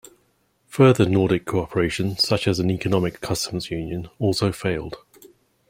Further Nordic co-operation, such as an economic customs union, also failed.